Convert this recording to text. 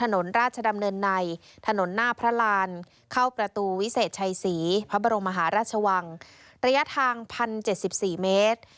ในถนนหน้าพระรานเข้าประตูวิเศษชัยศรีพระบรมหาราชวังระยะทางพันเจ็ดสิบสี่เมตร